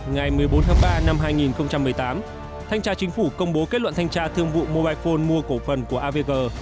ngày một mươi bốn tháng ba năm hai nghìn một mươi tám thanh tra chính phủ công bố kết luận thanh tra thương vụ mobile phone mua cổ phần của avg